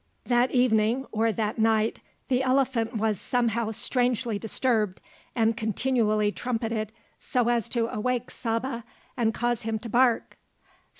That evening, or that night, the elephant was somehow strangely disturbed and continually trumpeted so as to awake Saba and cause him to bark.